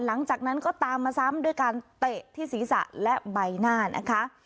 หลังจากนั้นก็ตามมาซ้ำด้วยการเตะที่ศีรษะและใบหน้านะคะ